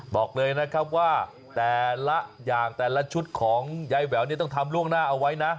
บอกเลยนะครับว่าแต่ละอย่างแต่ละชุดของยายแหววเนี่ยต้องทำล่วงหน้าเอาไว้นะ